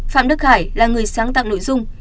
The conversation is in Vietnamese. phạm đức hải là người sáng tặng nội dung